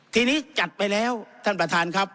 ทีนี้จัดไปแล้วท่านประธานครับ